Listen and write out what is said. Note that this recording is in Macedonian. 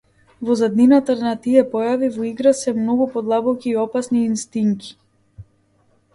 Во заднината на тие појави во игра се многу подлабоки и опасни инстинки!